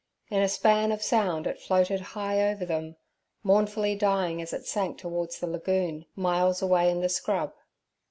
In a span of sound it floated high over them, mournfully dying as it sank towards the lagoon, miles away in the scrub.